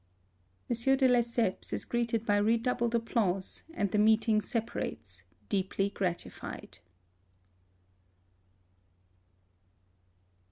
(M. de Lesseps is greeted by redoubled applause, and the meeting separates, deeply gratified.)